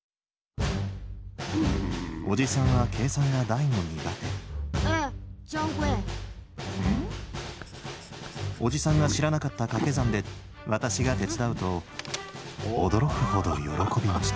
おじさんは計算が大の苦手おじさんが知らなかった掛け算で私が手伝うと驚くほど喜びました